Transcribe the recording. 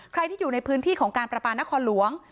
ใครที่อยู่ในพื้นที่ของการประปานครหลวง